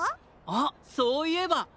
あっそういえば！